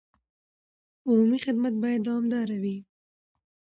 عمومي خدمت باید دوامداره وي.